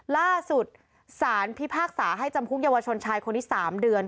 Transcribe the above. ล่าสุดสารพิพากษาให้จำคุกเยาวชนชายคนนี้๓เดือน